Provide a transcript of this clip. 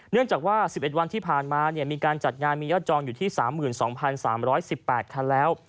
เนื่องจากว่า๑๑วันที่ผ่านมามีการจัดงานมียอดจองอยู่ที่๓๒๓๑๘คันแล้ว